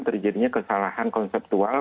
terjadinya kesalahan konseptual